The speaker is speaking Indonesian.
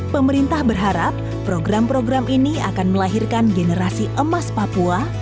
pemerintah berharap program program ini akan melahirkan generasi emas papua